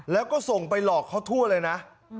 แล้วก็ส่งไปหลอกเขาทั่วเลยนะ